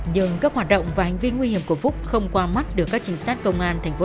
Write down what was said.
nhưng các hoạt động và hành vi nguy hiểm của phúc không qua mắt được các trinh sát công an tp hcm